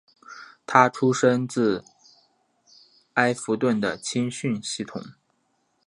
他出身自埃弗顿的青训系统。